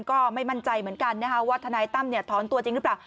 ก็ไม่มั่นใจเหมือนกันนะคะว่าทนายตั้มถอนตัวจริงหรือเปล่า